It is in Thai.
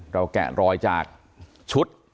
แกะรอยจากชุด